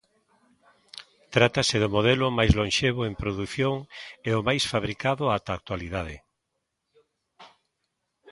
Trátase do modelo máis lonxevo en produción e o máis fabricado ata a actualidade.